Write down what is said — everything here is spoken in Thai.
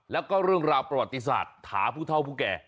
แล้วก็เรื่องราวประวัติศาสตร์ถาผู้เท่าผู้แก่